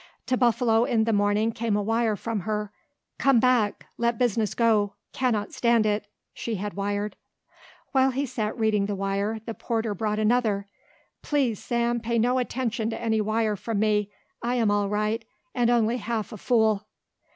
To Buffalo in the morning came a wire from her. "Come back. Let business go. Cannot stand it," she had wired. While he sat reading the wire the porter brought another. "Please, Sam, pay no attention to any wire from me. I am all right and only half a fool."